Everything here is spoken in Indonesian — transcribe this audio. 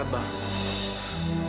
gue udah ganggu kalian